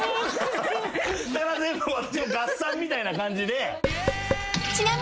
全部私合算みたいな感じで。